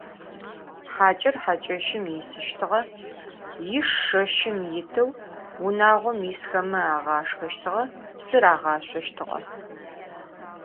Haç'er haç'eşım yisıştığe, yişş şşeşım yiteu vunağom yisxeme ağaşşxeştığe, psı rağaşsoştığe.